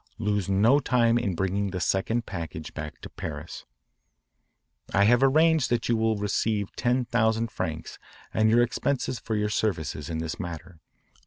Lose no time in bringing the second package back to Paris. I have arranged that you will receive ten thousand francs and your expenses for your services in this matter.